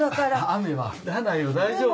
雨は降らないよ大丈夫。